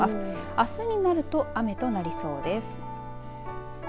あすになると雨となりそうです。